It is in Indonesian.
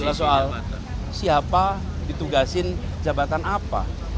adalah soal siapa ditugasin jabatan apa